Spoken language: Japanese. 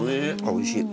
おいしい。